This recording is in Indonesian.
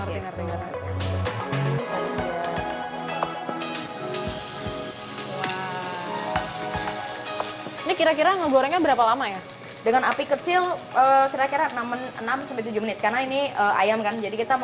ini kira kira ngegorengnya berapa lama ya dengan api kecil kira kira enam tujuh menit karena ini ayam kan jadi kita